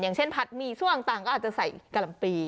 อย่างเช่นผัดหมี่ช่วงต่างก็อาจจะใส่กะหล่ำปี